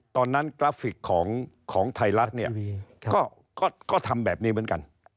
ตอนนั้นกราฟิกของไทยรัฐก็ทำแบบนี้เหมือนกัน